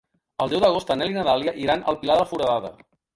El deu d'agost en Nel i na Dàlia iran al Pilar de la Foradada.